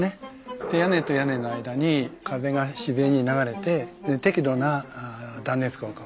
屋根と屋根の間に風が自然に流れて適度な断熱効果。